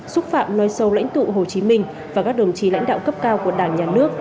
xúc phạm nói sâu lãnh tụ hồ chí minh và các đồng chí lãnh đạo cấp cao của đảng nhà nước